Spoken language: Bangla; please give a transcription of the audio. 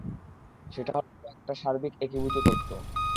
সেটা হলো একটা সার্বিক একীভূত তত্ত্ব।